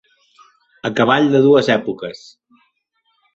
A cavall de dues èpoques.